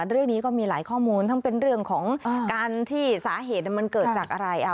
เรื่องนี้ก็มีหลายข้อมูลทั้งเป็นเรื่องของการที่สาเหตุมันเกิดจากอะไร